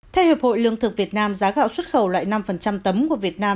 theo hiệp hội lương thực việt nam giá gạo xuất khẩu loại năm tấm của việt nam